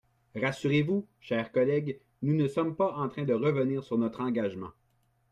Rassurez-vous, chers collègues, nous ne sommes pas en train de revenir sur notre engagement.